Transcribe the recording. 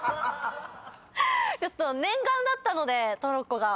ちょっと念願だったのでトロッコが。